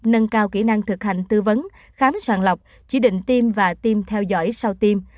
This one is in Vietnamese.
nâng cao kỹ năng thực hành tư vấn khám sàng lọc chỉ định tiêm và tiêm theo dõi sau tiêm